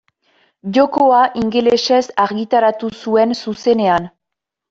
Jokoa ingelesez argitaratu zuen zuzenean.